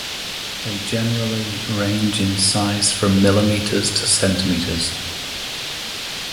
They generally range in size from millimeters to centimeters.